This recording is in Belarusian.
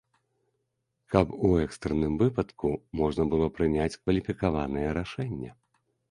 Каб у экстранным выпадку можна было прыняць кваліфікаванае рашэнне.